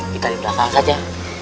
kita di belakang saja